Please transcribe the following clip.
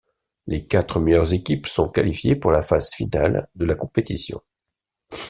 Les quatre meilleures équipes sont qualifiées pour la phase finale de la compétition.